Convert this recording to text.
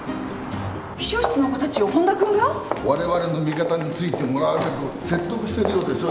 秘書室の子たちを本多君が？我々の味方についてもらうべく説得してるようですよ